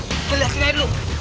kita lihat lihat dulu